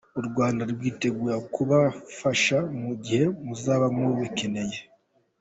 U Rwanda rwiteguye kubafasha mu gihe muzaba mubikeneye.